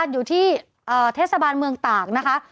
อยู่ที่เทศบาลเมืองตากนะคะ